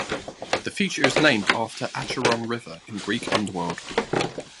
The feature is named after Acheron River in Greek underworld.